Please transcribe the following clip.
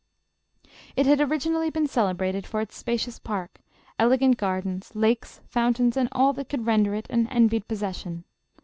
It had originally been celebrated for its spacious park, elegant gardens, lakes, fountains, and all that could render it an envied possession.